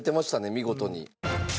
見事に。